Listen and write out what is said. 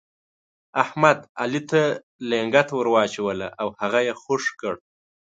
احمد، علي ته لنګته ور واچوله او هغه يې خوږ کړ.